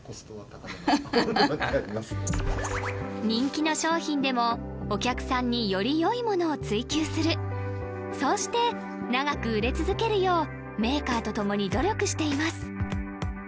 人気の商品でもお客さんによりよいものを追求するそうして長く売れ続けるようメーカーとともに努力しています